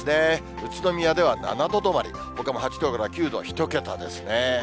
宇都宮では７度止まり、ほかも８度から９度、１桁ですね。